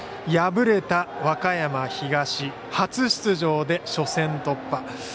敗れた和歌山東初出場で初戦突破。